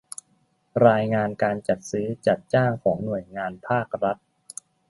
รายงานการจัดซื้อจัดจ้างของหน่วยงานภาครัฐ